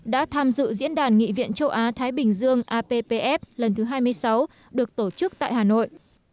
đã tham dự diễn đàn nghị viện châu á thái bình dương appf lần thứ hai mươi sáu được tổ chức tại hà nội